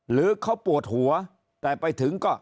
หรือเขาปวดหัวแต่ไปถึงก็